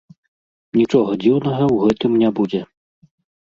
Нічога дзіўнага ў гэтым не будзе.